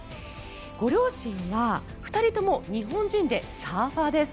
ご両親は２人とも日本人でサーファーです。